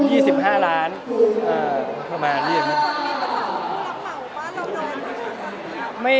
มีประสาทที่เราเขาว่าเราโดนก่อนค่ะ